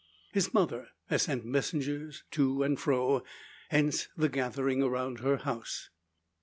His mother has sent messengers to and fro; hence the gathering around her house.